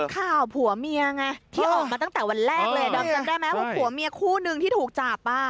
ข่าวผัวเมียไงที่ออกมาตั้งแต่วันแรกเลยดอมจำได้ไหมว่าผัวเมียคู่นึงที่ถูกจับ